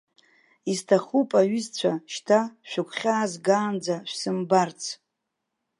Исҭахуп, аҩызцәа, шьҭа шәыгәхьаазгаанӡа шәсымбарц.